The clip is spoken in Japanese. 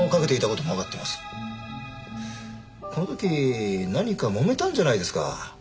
この時何かもめたんじゃないですか？